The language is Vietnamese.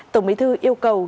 tổng bí thư yêu cầu